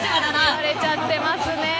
言われちゃってますね。